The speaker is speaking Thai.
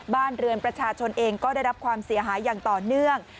บ้านเรือนประชาชนเองก็ได้รับความเสียหายอย่างต่อเนื่อง